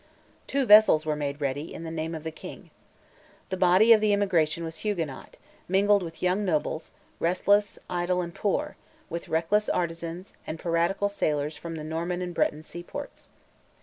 Two vessels were made ready, in the name of the King. The body of the emigration was Huguenot, mingled with young nobles, restless, idle, and poor, with reckless artisans, and piratical sailors from the Norman and Breton seaports.